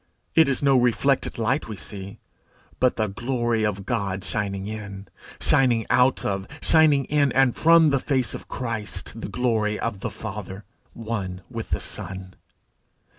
It is no reflected light we see, but the glory of God shining in, shining out of, shining in and from the face of Christ, the glory of the Father, one with the Son.